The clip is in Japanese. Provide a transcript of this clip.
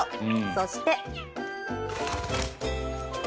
そして。